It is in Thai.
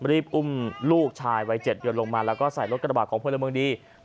มารีบอุ้มลูกชายวัย๗หยุดลงมาแล้วก็ใส่รถกระบะของเพื่อนเรือเมืองดี